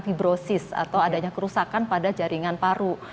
hibrosis atau adanya kerusakan pada jaringan paru